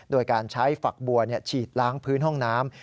โดยการใช้ฝักบัวฉีดล้างพื้นห้องน้ำ